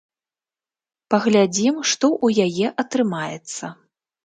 Паглядзім, што ў яе атрымаецца.